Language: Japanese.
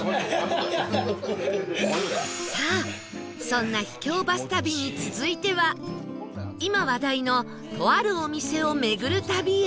さあそんな秘境バス旅に続いては今話題のとあるお店を巡る旅へ